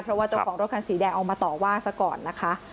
เพราะว่าเจ้าของรถคันสีแดงเอามาต่อว่าซะก่อนนะคะ